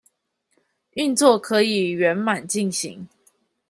運作可以圓滿進行